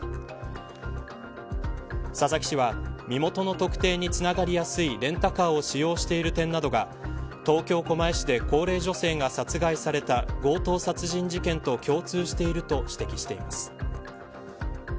佐々木氏は身元の特定につながりやすいレンタカーを使用している点などが東京、狛江市で高齢女性が殺害された強盗殺人事件と共通していると指摘しています。